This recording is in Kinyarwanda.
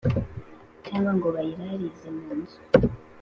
cyangwa ngo bayirarize munzu